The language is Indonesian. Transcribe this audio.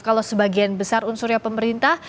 kalau sebagian besar unsurnya pemerintah